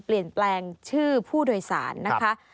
เปลี่ยนแปลงชื่อผู้โดยสารนะคะ